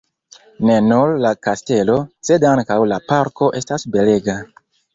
Ne nur la kastelo, sed ankaŭ la parko estas belega.